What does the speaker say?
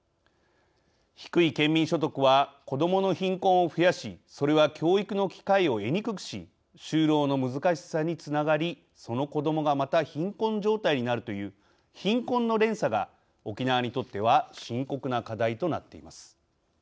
低い県民所得は子どもの貧困を増やしそれは教育の機会を得にくくし就労の難しさにつながりその子どもがまた貧困状態になるという貧困の連鎖が沖縄にとっては深刻な課題となっています。